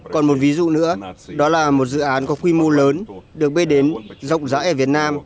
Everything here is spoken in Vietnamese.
còn một ví dụ nữa đó là một dự án có quy mô lớn được bê đến rộng rãi ở việt nam